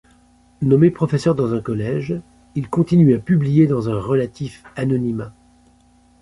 Nommé professeur dans un collège, il continue à publier dans un relatif anonymat.